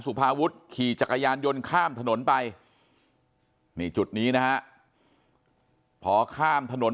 พาวุฒิขี่จักรยานยนต์ข้ามถนนไปนี่จุดนี้นะฮะพอข้ามถนน